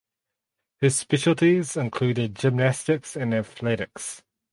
Her specialities included gymnastics and athletics.